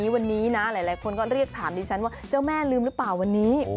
วันนี้นะหลายคนก็เรียกถามดิฉันว่าเจ้าแม่ลืมหรือเปล่าวันนี้